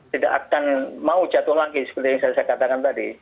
tidak akan mau jatuh lagi seperti yang saya katakan tadi